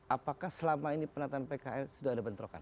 apakah selama ini penataan pkl sudah ada bentrokan